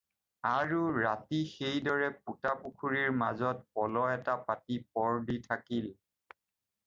আৰু ৰাতি সেইদৰে পোতা-পুখুৰীৰ মাজত পল এটা পাতি পৰ দি থাকিল।